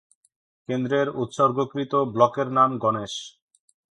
কেন্দ্রের উৎসর্গীকৃত ব্লকের নাম গণেশ।